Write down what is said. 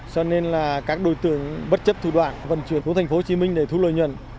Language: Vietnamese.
cho nên các đối tượng bất chấp thủ đoạn vận chuyển xuống thành phố hồ chí minh để thu lợi nhuận